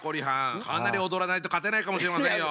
かなり踊らないと勝てないかもしれませんよ。